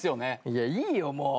いやいいよもう。